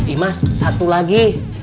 imas satu lagi